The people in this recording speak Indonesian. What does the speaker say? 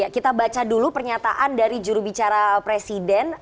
kita baca dulu pernyataan dari jurubicara presiden